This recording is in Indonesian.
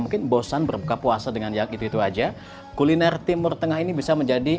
mungkin bosan berbuka puasa dengan yang itu itu aja kuliner timur tengah ini bisa menjadi